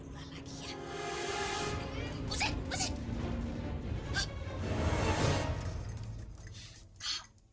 kan masalah moi tahu bagus dia